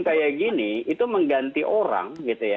kayak gini itu mengganti orang